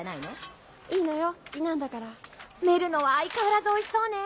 メルのは相変わらずおいしそうね。